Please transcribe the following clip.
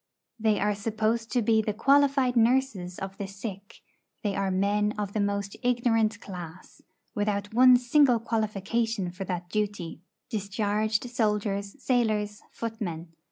They are supposed to be the qualified nurses of the sick; they are men of the most ignorant class, without one single qualification for that duty discharged soldiers, sailors, footmen.